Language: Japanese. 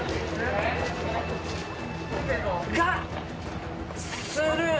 がスルー。